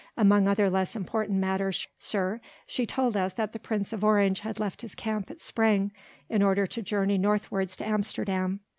Among other less important matters, sir, she told us that the Prince of Orange had left his camp at Sprang in order to journey northwards to Amsterdam.